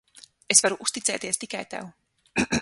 Es varu uzticēties tikai tev.